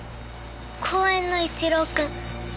公園の一郎くん。